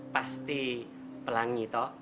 pasti pelangi toh